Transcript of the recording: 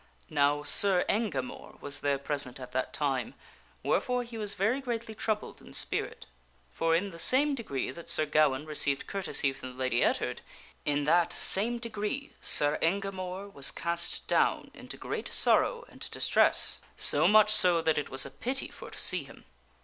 Now, Sir Engamore was there present at that time, wherefore he was very greatly troubled in spirit. For in the same degree that Sir Gawaine received courtesy from the Lady Ettard, in that same degree Sir Enga more was cast down into great sorrow and distress so much so that it was a pity for to see him.